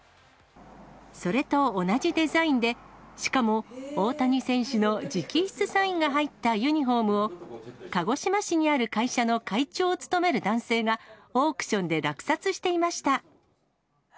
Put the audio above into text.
それと同じデザインで、しかも大谷選手の直筆サインが入ったユニホームを、鹿児島市にある会社の会長を務める男性が、オークションで落札していました。